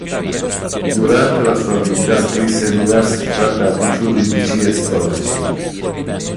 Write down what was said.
Durante la sua vita scrisse diversi trattati giuridi e storici.